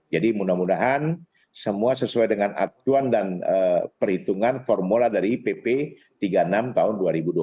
jadi mudah mudahan semua sesuai dengan atuan dan perhitungan formula dari pp tiga puluh enam tahun dua ribu dua puluh satu